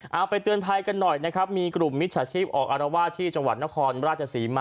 เอาไปเตือนภัยกันหน่อยนะครับมีกลุ่มมิจฉาชีพออกอารวาสที่จังหวัดนครราชศรีมา